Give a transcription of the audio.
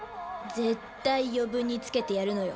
絶対余分につけてやるのよ。